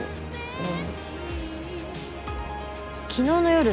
うん？